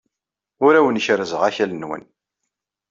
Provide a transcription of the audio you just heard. Ur awen-kerrzeɣ akal-nwen.